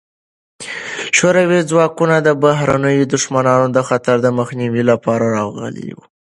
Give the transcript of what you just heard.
شوروي ځواکونه د بهرنیو دښمنانو د خطر د مخنیوي لپاره راغلي وو.